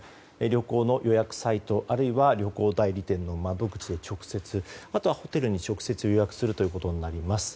旅行の予約サイトあるいは旅行代理店の窓口で直接あとはホテルに直接予約するということになります。